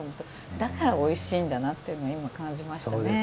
だからおいしいんだなというのを今、感じました。